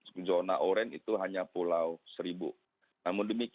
namun demikian kami tetap memperlakukan bahwa seluruh wilayah jakarta itu hanya pulau seribu